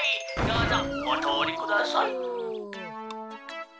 どうぞおとおりください」。